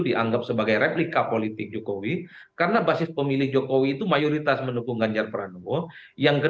dianggap sebagai replika politik jokowi karena basis pemilih jokowi itu mayoritas menukung ganjar perangu